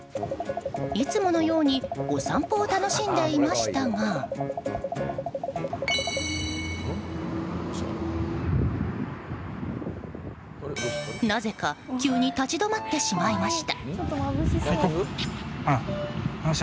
いつものようにお散歩を楽しんでいましたがなぜか急に立ち止まってしまいました。